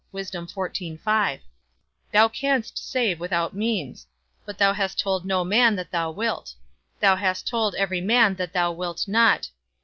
Thou canst save without means, but thou hast told no man that thou wilt; thou hast told every man that thou wilt not.